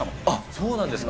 そうなんですか。